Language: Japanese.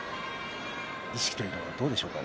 意識というのはどうでしょうか。